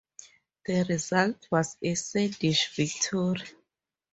The result was a Swedish victory.